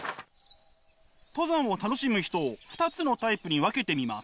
登山を楽しむ人を２つのタイプに分けてみます。